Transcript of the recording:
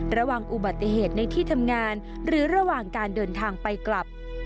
ระวังอุบัติเหตุในที่ทำงานหรือระหว่างการเดินทางไปกลับ